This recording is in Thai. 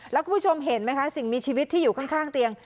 แล้วคุณผู้ชมเห็นไหมคะสิ่งมีชีวิตที่อยู่ข้างเตียง